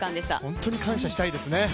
本当に感謝したいですね。